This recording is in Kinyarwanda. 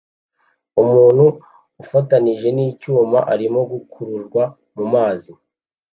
Umuntu ufatanije nicyuma arimo gukururwa mumazi